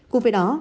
cùng với đó